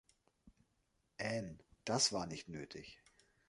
Ann, das war nicht nötig!